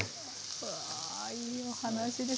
うわいいお話です。